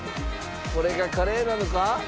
これがカレーなのか？